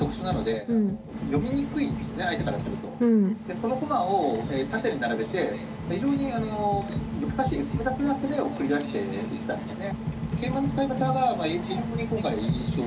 その駒を縦に並べて非常に難しい複雑な攻めを繰り出していたんですね。